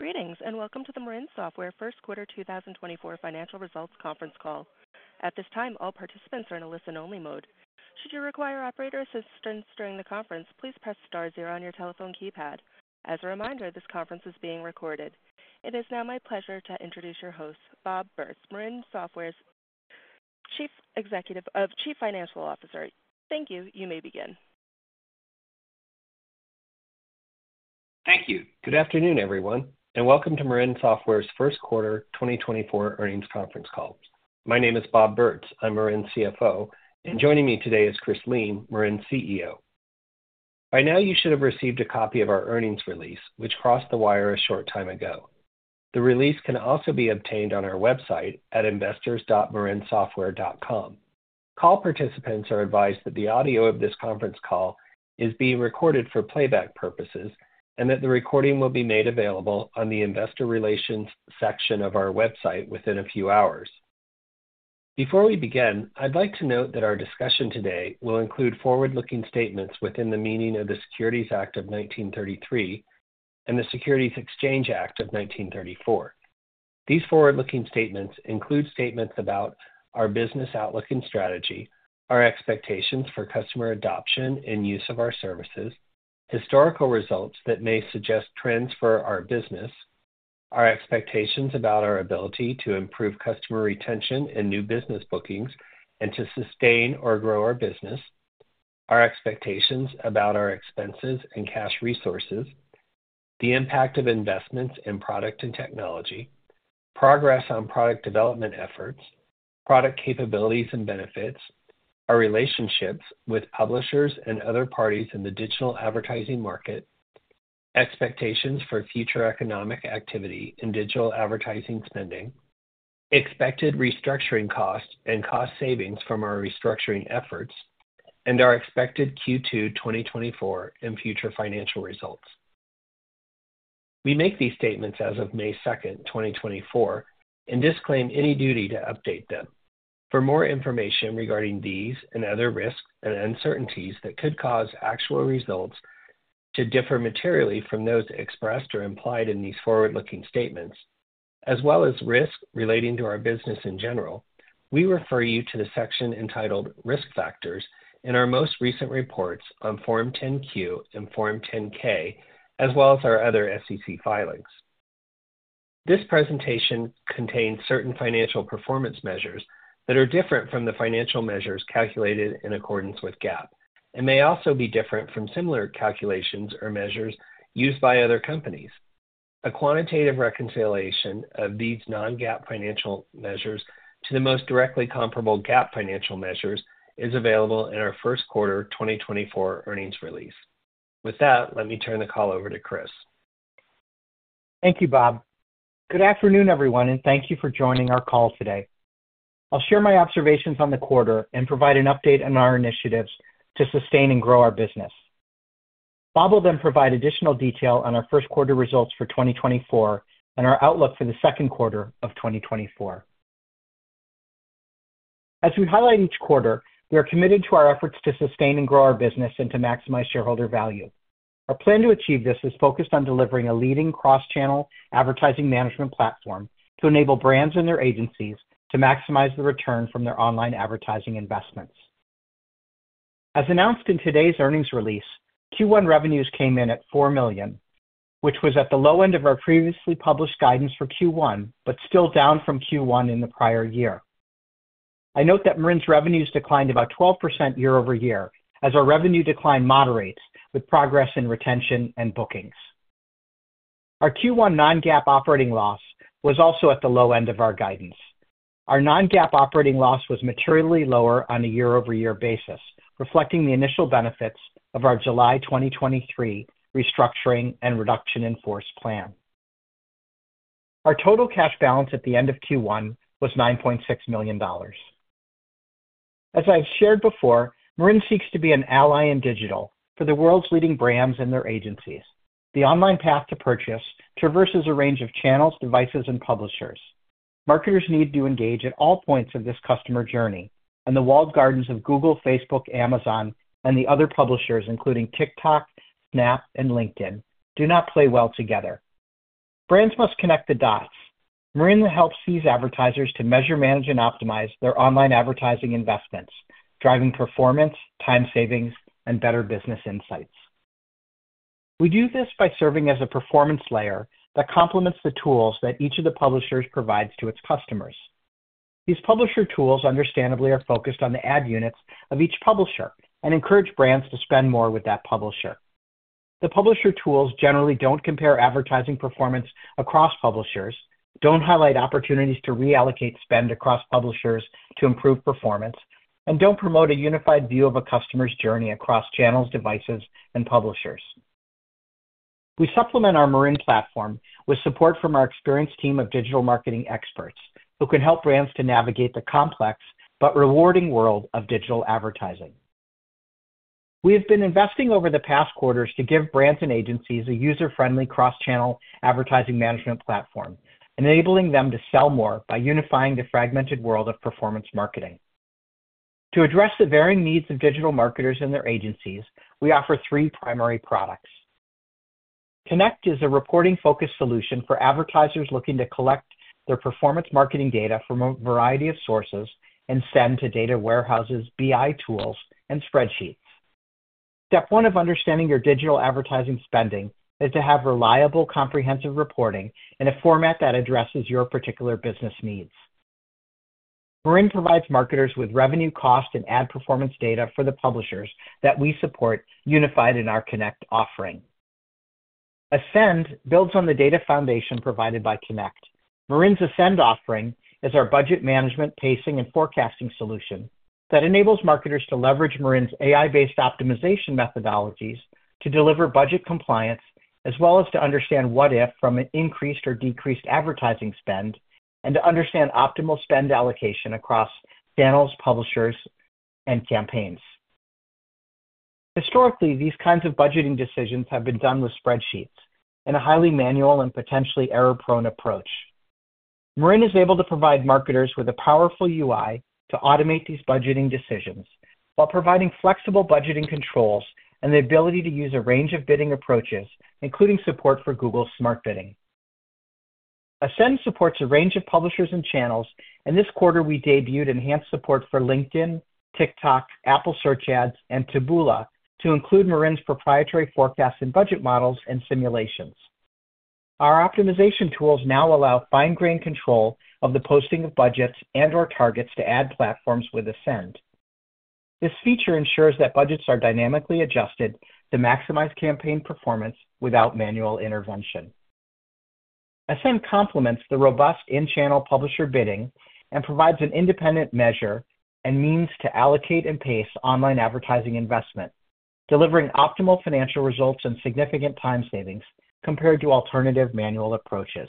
Greetings, and welcome to the Marin Software first quarter 2024 financial results conference call. At this time, all participants are in a listen-only mode. Should you require operator assistance during the conference, please press star zero on your telephone keypad. As a reminder, this conference is being recorded. It is now my pleasure to introduce your host, Bob Bertz, Marin Software's Chief Financial Officer. Thank you. You may begin. Thank you. Good afternoon, everyone, and welcome to Marin Software's first quarter 2024 earnings conference call. My name is Bob Bertz, I'm Marin's CFO, and joining me today is Chris Lien, Marin's CEO. By now, you should have received a copy of our earnings release, which crossed the wire a short time ago. The release can also be obtained on our website at investors.marinsoftware.com. Call participants are advised that the audio of this conference call is being recorded for playback purposes, and that the recording will be made available on the investor relations section of our website within a few hours. Before we begin, I'd like to note that our discussion today will include forward-looking statements within the meaning of the Securities Act of 1933 and the Securities Exchange Act of 1934. These forward-looking statements include statements about our business outlook and strategy, our expectations for customer adoption and use of our services, historical results that may suggest trends for our business, our expectations about our ability to improve customer retention and new business bookings, and to sustain or grow our business. Our expectations about our expenses and cash resources, the impact of investments in product and technology, progress on product development efforts, product capabilities and benefits, our relationships with publishers and other parties in the digital advertising market, expectations for future economic activity in digital advertising spending, expected restructuring costs and cost savings from our restructuring efforts, and our expected Q2 2024 and future financial results. We make these statements as of May 2, 2024, and disclaim any duty to update them. For more information regarding these and other risks and uncertainties that could cause actual results to differ materially from those expressed or implied in these forward-looking statements, as well as risks relating to our business in general, we refer you to the section entitled Risk Factors in our most recent reports on Form 10-Q and Form 10-K, as well as our other SEC filings. This presentation contains certain financial performance measures that are different from the financial measures calculated in accordance with GAAP, and may also be different from similar calculations or measures used by other companies. A quantitative reconciliation of these non-GAAP financial measures to the most directly comparable GAAP financial measures is available in our first quarter 2024 earnings release. With that, let me turn the call over to Chris. Thank you, Bob. Good afternoon, everyone, and thank you for joining our call today. I'll share my observations on the quarter and provide an update on our initiatives to sustain and grow our business. Bob will then provide additional detail on our first quarter results for 2024 and our outlook for the second quarter of 2024. As we highlight each quarter, we are committed to our efforts to sustain and grow our business and to maximize shareholder value. Our plan to achieve this is focused on delivering a leading cross-channel advertising management platform to enable brands and their agencies to maximize the return from their online advertising investments. As announced in today's earnings release, Q1 revenues came in at $4 million, which was at the low end of our previously published guidance for Q1, but still down from Q1 in the prior year. I note that Marin's revenues declined about 12% year-over-year, as our revenue decline moderates with progress in retention and bookings. Our Q1 non-GAAP operating loss was also at the low end of our guidance. Our non-GAAP operating loss was materially lower on a year-over-year basis, reflecting the initial benefits of our July 2023 restructuring and reduction in force plan. Our total cash balance at the end of Q1 was $9.6 million. As I've shared before, Marin seeks to be an ally in digital for the world's leading brands and their agencies. The online path to purchase traverses a range of channels, devices, and publishers. Marketers need to engage at all points of this customer journey, and the walled gardens of Google, Facebook, Amazon, and the other publishers, including TikTok, Snap, and LinkedIn, do not play well together. Brands must connect the dots. Marin helps these advertisers to measure, manage, and optimize their online advertising investments, driving performance, time savings, and better business insights. We do this by serving as a performance layer that complements the tools that each of the publishers provides to its customers. These publisher tools understandably are focused on the ad units of each publisher and encourage brands to spend more with that publisher. The publisher tools generally don't compare advertising performance across publishers, don't highlight opportunities to reallocate spend across publishers to improve performance, and don't promote a unified view of a customer's journey across channels, devices, and publishers. We supplement our Marin platform with support from our experienced team of digital marketing experts who can help brands to navigate the complex but rewarding world of digital advertising. We have been investing over the past quarters to give brands and agencies a user-friendly cross-channel advertising management platform, enabling them to sell more by unifying the fragmented world of performance marketing.... To address the varying needs of digital marketers and their agencies, we offer three primary products. Connect is a reporting-focused solution for advertisers looking to collect their performance marketing data from a variety of sources and send to data warehouses, BI tools, and spreadsheets. Step one of understanding your digital advertising spending is to have reliable, comprehensive reporting in a format that addresses your particular business needs. Marin provides marketers with revenue, cost, and ad performance data for the publishers that we support, unified in our Connect offering. Ascend builds on the data foundation provided by Connect. Marin's Ascend offering is our budget management, pacing, and forecasting solution that enables marketers to leverage Marin's AI-based optimization methodologies to deliver budget compliance, as well as to understand what if from an increased or decreased advertising spend, and to understand optimal spend allocation across channels, publishers, and campaigns. Historically, these kinds of budgeting decisions have been done with spreadsheets in a highly manual and potentially error-prone approach. Marin is able to provide marketers with a powerful UI to automate these budgeting decisions while providing flexible budgeting controls and the ability to use a range of bidding approaches, including support for Google's Smart Bidding. Ascend supports a range of publishers and channels, and this quarter, we debuted enhanced support for LinkedIn, TikTok, Apple Search Ads, and Taboola to include Marin's proprietary forecast and budget models and simulations. Our optimization tools now allow fine-grained control of the posting of budgets and/or targets to ad platforms with Ascend. This feature ensures that budgets are dynamically adjusted to maximize campaign performance without manual intervention. Ascend complements the robust in-channel publisher bidding and provides an independent measure and means to allocate and pace online advertising investment, delivering optimal financial results and significant time savings compared to alternative manual approaches.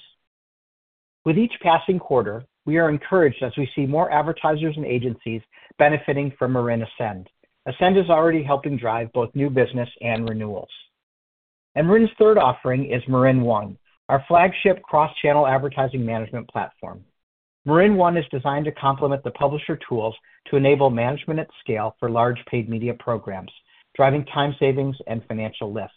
With each passing quarter, we are encouraged as we see more advertisers and agencies benefiting from Marin Ascend. Ascend is already helping drive both new business and renewals. Marin's third offering is MarinOne, our flagship cross-channel advertising management platform. MarinOne is designed to complement the publisher tools to enable management at scale for large paid media programs, driving time savings and financial lift.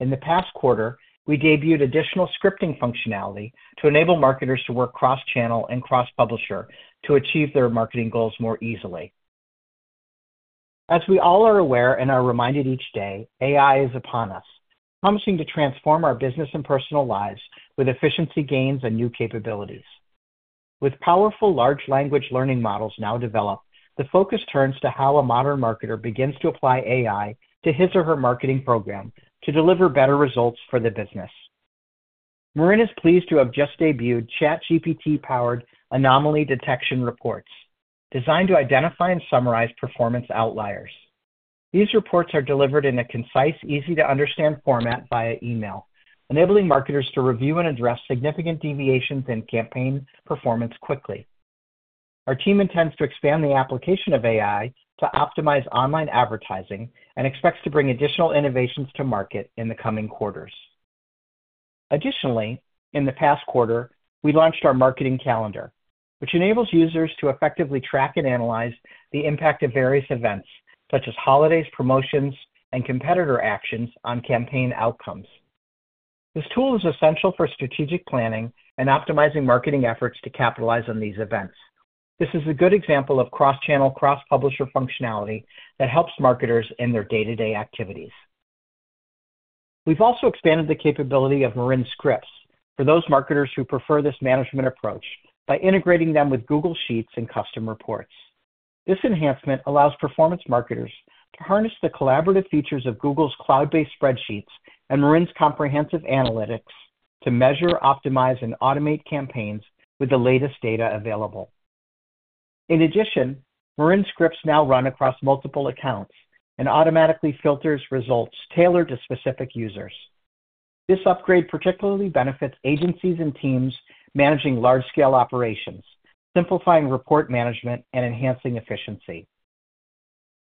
In the past quarter, we debuted additional scripting functionality to enable marketers to work cross-channel and cross-publisher to achieve their marketing goals more easily. As we all are aware and are reminded each day, AI is upon us, promising to transform our business and personal lives with efficiency gains and new capabilities. With powerful large language models now developed, the focus turns to how a modern marketer begins to apply AI to his or her marketing program to deliver better results for the business. Marin is pleased to have just debuted ChatGPT-powered anomaly detection reports, designed to identify and summarize performance outliers. These reports are delivered in a concise, easy-to-understand format via email, enabling marketers to review and address significant deviations in campaign performance quickly. Our team intends to expand the application of AI to optimize online advertising and expects to bring additional innovations to market in the coming quarters. Additionally, in the past quarter, we launched our Marketing Calendar, which enables users to effectively track and analyze the impact of various events, such as holidays, promotions, and competitor actions, on campaign outcomes. This tool is essential for strategic planning and optimizing marketing efforts to capitalize on these events. This is a good example of cross-channel, cross-publisher functionality that helps marketers in their day-to-day activities. We've also expanded the capability of Marin Scripts for those marketers who prefer this management approach by integrating them with Google Sheets and custom reports. This enhancement allows performance marketers to harness the collaborative features of Google's cloud-based spreadsheets and Marin's comprehensive analytics to measure, optimize, and automate campaigns with the latest data available. In addition, Marin Scripts now run across multiple accounts and automatically filters results tailored to specific users. This upgrade particularly benefits agencies and teams managing large-scale operations, simplifying report management and enhancing efficiency.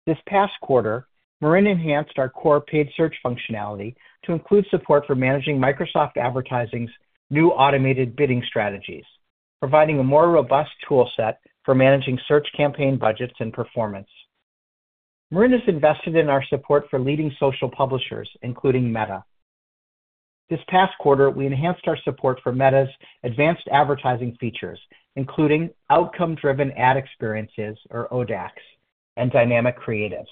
This past quarter, Marin enhanced our core paid search functionality to include support for managing Microsoft Advertising's new automated bidding strategies, providing a more robust toolset for managing search campaign budgets and performance. Marin has invested in our support for leading social publishers, including Meta. This past quarter, we enhanced our support for Meta's advanced advertising features, including Outcome-Driven Ad Experiences, or ODAX, and Dynamic Creatives.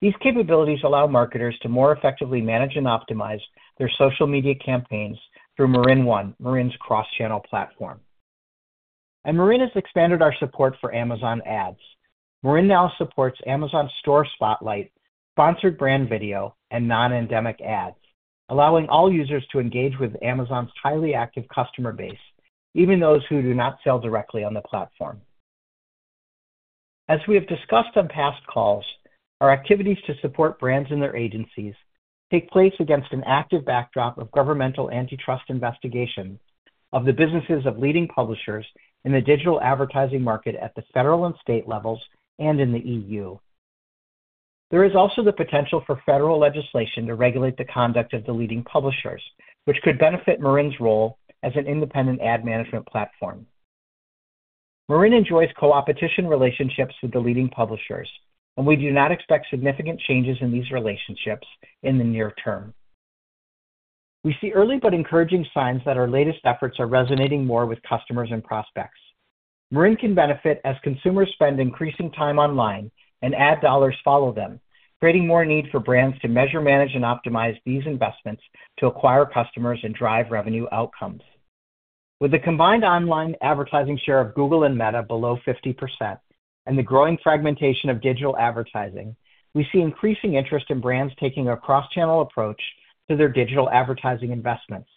These capabilities allow marketers to more effectively manage and optimize their social media campaigns through MarinOne, Marin's cross-channel platform. Marin has expanded our support for Amazon Ads. Marin now supports Amazon Store Spotlight, Sponsored Brand Video, and non-endemic ads, allowing all users to engage with Amazon's highly active customer base, even those who do not sell directly on the platform. As we have discussed on past calls, our activities to support brands and their agencies take place against an active backdrop of governmental antitrust investigation of the businesses of leading publishers in the digital advertising market at the federal and state levels and in the EU....There is also the potential for federal legislation to regulate the conduct of the leading publishers, which could benefit Marin's role as an independent ad management platform. Marin enjoys co-opetition relationships with the leading publishers, and we do not expect significant changes in these relationships in the near term. We see early but encouraging signs that our latest efforts are resonating more with customers and prospects. Marin can benefit as consumers spend increasing time online and ad dollars follow them, creating more need for brands to measure, manage, and optimize these investments to acquire customers and drive revenue outcomes. With the combined online advertising share of Google and Meta below 50% and the growing fragmentation of digital advertising, we see increasing interest in brands taking a cross-channel approach to their digital advertising investments,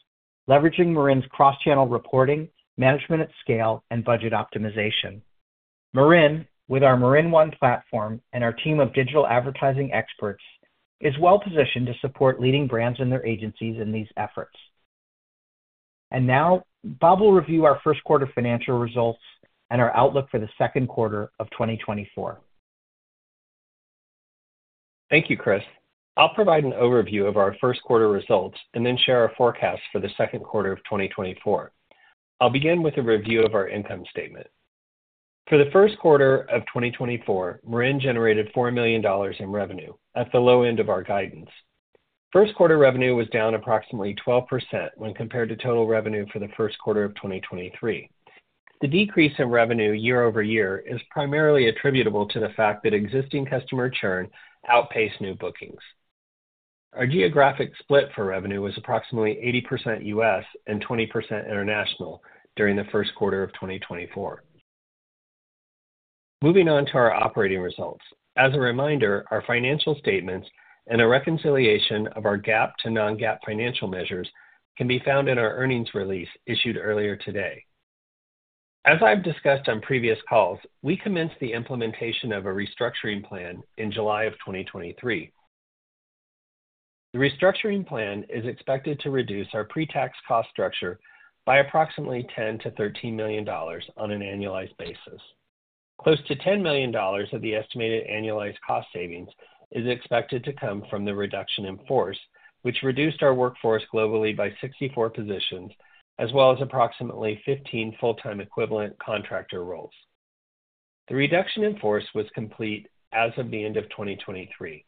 leveraging Marin's cross-channel reporting, management at scale, and budget optimization. Marin, with our MarinOne platform and our team of digital advertising experts, is well-positioned to support leading brands and their agencies in these efforts. And now Bob will review our first quarter financial results and our outlook for the second quarter of 2024. Thank you, Chris. I'll provide an overview of our first quarter results and then share our forecast for the second quarter of 2024. I'll begin with a review of our income statement. For the first quarter of 2024, Marin generated $4 million in revenue at the low end of our guidance. First quarter revenue was down approximately 12% when compared to total revenue for the first quarter of 2023. The decrease in revenue year-over-year is primarily attributable to the fact that existing customer churn outpaced new bookings. Our geographic split for revenue was approximately 80% U.S. and 20% international during the first quarter of 2024. Moving on to our operating results. As a reminder, our financial statements and a reconciliation of our GAAP to non-GAAP financial measures can be found in our earnings release issued earlier today. As I've discussed on previous calls, we commenced the implementation of a restructuring plan in July of 2023. The restructuring plan is expected to reduce our pre-tax cost structure by approximately $10 million-$13 million on an annualized basis. Close to $10 million of the estimated annualized cost savings is expected to come from the reduction in force, which reduced our workforce globally by 64 positions, as well as approximately 15 full-time equivalent contractor roles. The reduction in force was complete as of the end of 2023.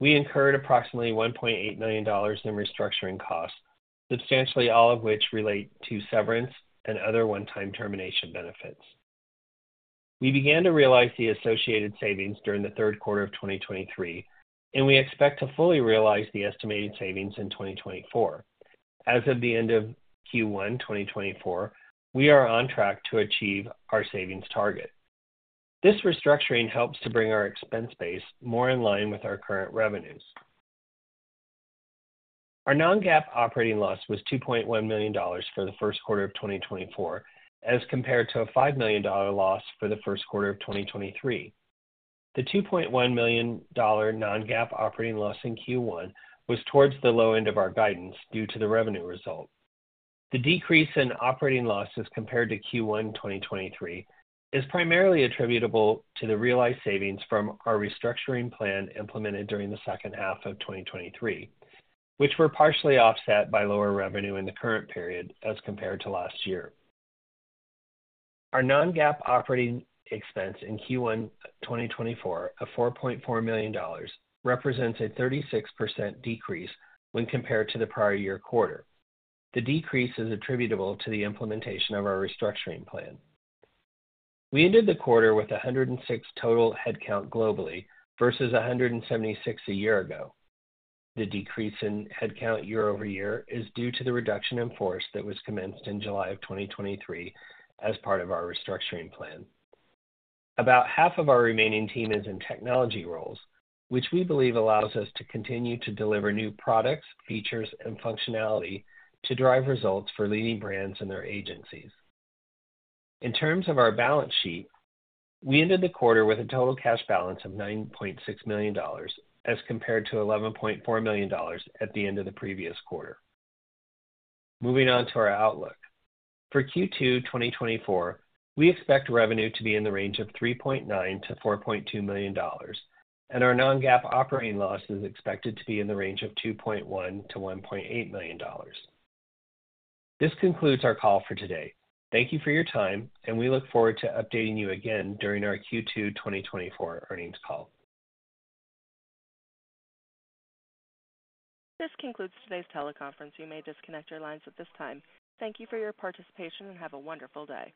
We incurred approximately $1.8 million in restructuring costs, substantially all of which relate to severance and other one-time termination benefits. We began to realize the associated savings during the third quarter of 2023, and we expect to fully realize the estimated savings in 2024. As of the end of Q1 2024, we are on track to achieve our savings target. This restructuring helps to bring our expense base more in line with our current revenues. Our non-GAAP operating loss was $2.1 million for the first quarter of 2024, as compared to a $5 million loss for the first quarter of 2023. The $2.1 million non-GAAP operating loss in Q1 was towards the low end of our guidance due to the revenue results. The decrease in operating losses compared to Q1 2023 is primarily attributable to the realized savings from our restructuring plan implemented during the second half of 2023, which were partially offset by lower revenue in the current period as compared to last year. Our Non-GAAP operating expense in Q1 2024 of $4.4 million represents a 36% decrease when compared to the prior year quarter. The decrease is attributable to the implementation of our restructuring plan. We ended the quarter with 106 total headcount globally versus 176 a year ago. The decrease in headcount year-over-year is due to the reduction in force that was commenced in July of 2023 as part of our restructuring plan. About half of our remaining team is in technology roles, which we believe allows us to continue to deliver new products, features, and functionality to drive results for leading brands and their agencies. In terms of our balance sheet, we ended the quarter with a total cash balance of $9.6 million, as compared to $11.4 million at the end of the previous quarter. Moving on to our outlook. For Q2 2024, we expect revenue to be in the range of $3.9 million-$4.2 million, and our non-GAAP operating loss is expected to be in the range of $2.1 million-$1.8 million. This concludes our call for today. Thank you for your time, and we look forward to updating you again during our Q2 2024 earnings call. This concludes today's teleconference. You may disconnect your lines at this time. Thank you for your participation, and have a wonderful day.